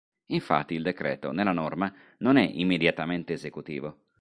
Infatti il decreto nella norma non è "immediatamente esecutivo".